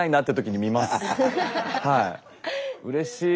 はい。